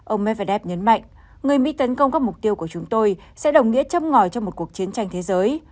ông medvedev nhấn mạnh người mỹ tấn công các mục tiêu của chúng tôi sẽ đồng nghĩa châm ngòi cho một cuộc chiến tranh thế giới